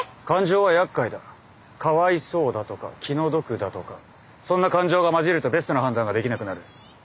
かわいそうだとか気の毒だとかそんな感情が混じるとベストな判断ができなくなる。